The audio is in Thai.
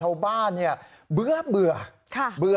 ชาวบ้านเนี่ยเบื่อเบื่อ